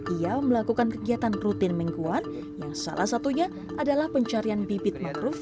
ia melakukan kegiatan rutin mingguan yang salah satunya adalah pencarian bibit mangrove